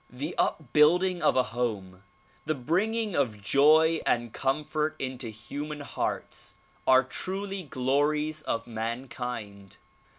The upbuilding of a home, the bringing of joy and comfort into human hearts are truly glories of mankind.